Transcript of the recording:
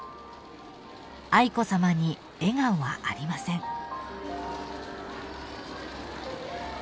［愛子さまに笑顔はありません］